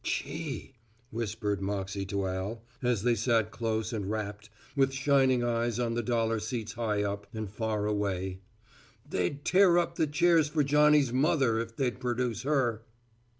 "Chee," whispered Moxey to Al, as they sat close and rapt, with shining eyes, on the dollar seats high up and far away, "they'd tear up the chairs for Johnny's mother if they'd perduce her."